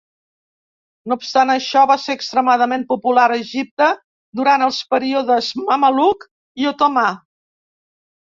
No obstant això, va ser extremadament popular a Egipte durant els períodes mameluc i otomà.